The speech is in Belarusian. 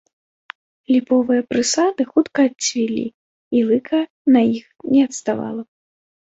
Ліповыя прысады хутка адцвілі, і лыка на іх не адставала.